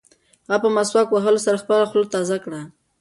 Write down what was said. هغه په مسواک وهلو سره خپله خوله تازه کړه.